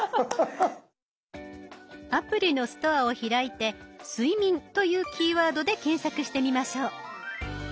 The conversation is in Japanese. アプリのストアを開いて「睡眠」というキーワードで検索してみましょう。